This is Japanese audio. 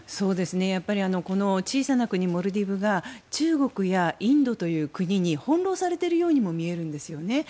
やっぱりこの小さな国モルディブが中国やインドという国に翻ろうされているようにも見えるんですね。